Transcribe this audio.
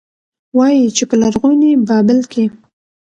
وايي، چې په لرغوني بابل کې